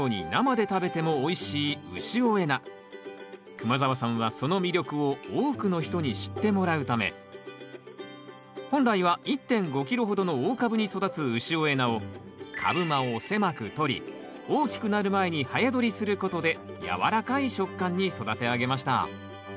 熊澤さんはその魅力を多くの人に知ってもらうため本来は１．５キロほどの大株に育つ潮江菜を株間を狭くとり大きくなる前に早どりすることでやわらかい食感に育て上げました。